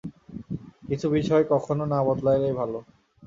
কিছু বিষয় কখনও না বদলালেই ভালো!